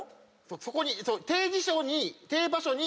そこに。